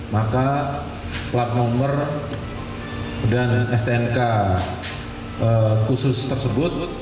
maka plat nomor dan stnk khusus tersebut